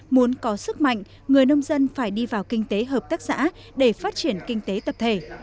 muốn có sức mạnh người nông dân phải đi vào kinh tế hợp tác xã để phát triển kinh tế tập thể